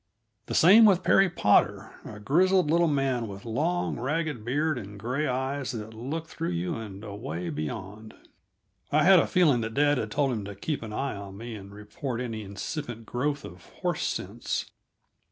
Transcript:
The same with Perry Potter, a grizzled little man with long, ragged beard and gray eyes that looked through you and away beyond. I had a feeling that dad had told him to keep an eye on me and report any incipient growth of horse sense.